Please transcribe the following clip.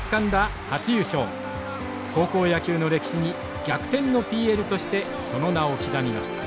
高校野球の歴史に逆転のＰＬとしてその名を刻みました。